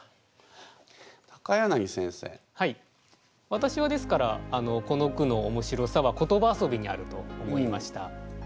私はですからこの句のおもしろさは言葉遊びにあると思いました。